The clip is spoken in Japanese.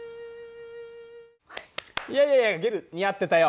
いやいやいやゲル似合ってたよ。